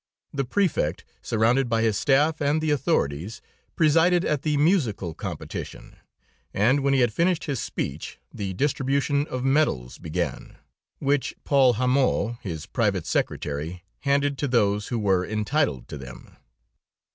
The Prefect, surrounded by his staff and the authorities, presided at the musical competition, and when he had finished his speech, the distribution of medals began, which Paul Hamot, his private secretary, handed to those who were entitled to them.